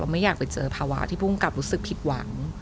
ไม่อยากไปเจอภาวะที่ผู้กำกับรู้สึกผิดหวัง